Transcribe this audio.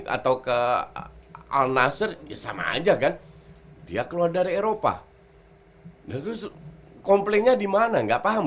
atau ke al nasser sama aja kan dia keluar dari eropa dan terus komplainnya di mana nggak paham